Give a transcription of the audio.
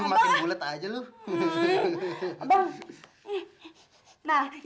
kok jadi bisa salep gini sih bang